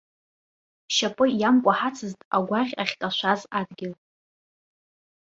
Шьапы иамкәаҳацызт агәаӷь ахькашәаз адгьыл.